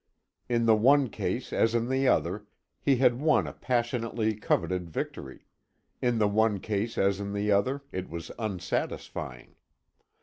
In the one case, as in the other, he had won a passionately coveted victory; in the one case as in the other, it was unsatisfying.